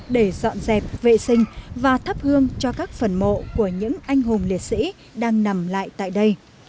để dọn dẹp vệ sinh và thắp hương cho các phần mộ của những anh hùng liệt sĩ đang nằm lại tại đây